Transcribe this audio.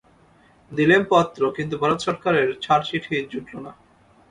দিলেম পত্র, কিন্তু ভারত-সরকারের ছাড়চিঠি জুটল না।